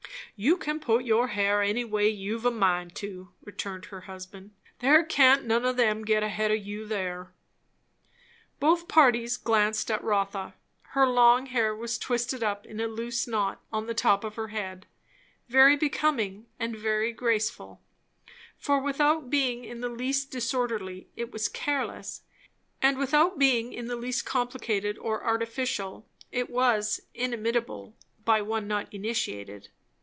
"You can put your hair any way you've a mind to," returned her husband. "There can't none of 'em get ahead o' you there." Both parties glanced at Rotha. Her long hair was twisted up in a loose knot on the top of her head; very becoming and very graceful; for without being in the least disorderly it was careless, and without being in the least complicated or artificial it was inimitable, by one not initiated.